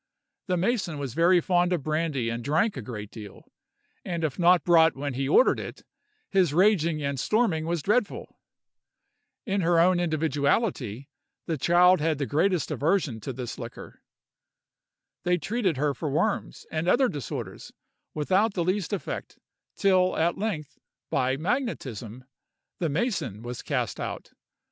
The mason was very fond of brandy and drank a great deal; and if not brought when he ordered it, his raging and storming was dreadful. In her own individuality the child had the greatest aversion to this liquor. They treated her for worms, and other disorders, without the least effect; till at length, by magnetism, the mason was cast out.